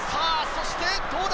そしてどうだ！